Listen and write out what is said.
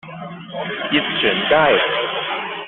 捷船街